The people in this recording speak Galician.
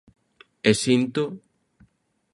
E sinto: